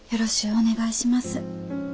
お願いします。